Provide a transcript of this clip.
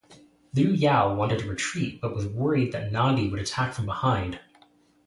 Liu Yao wanted to retreat but was worried that Nandi would attack from behind.